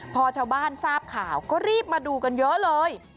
พอชาวบ้านทราบข่าวก็รีบมาดูกันเยอะเลย